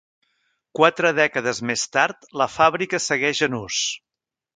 Quatre dècades més tard, la fàbrica segueix en ús.